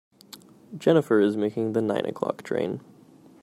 Jennifer is making the nine o'clock train.